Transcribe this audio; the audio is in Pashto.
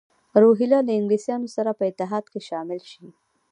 روهیله له انګلیسیانو سره په اتحاد کې شامل شي.